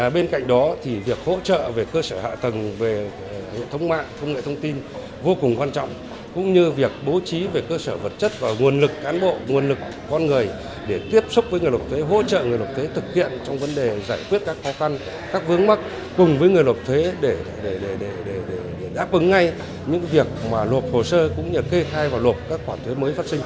bên cạnh đó thì việc hỗ trợ về cơ sở hạ tầng về hệ thống mạng công nghệ thông tin vô cùng quan trọng cũng như việc bố trí về cơ sở vật chất và nguồn lực cán bộ nguồn lực con người để tiếp xúc với người nộp thuế hỗ trợ người nộp thuế thực hiện trong vấn đề giải quyết các khó khăn các vướng mắc cùng với người nộp thuế để đáp ứng ngay những việc mà luộc hồ sơ cũng như kê khai và luộc các quản thuế mới phát sinh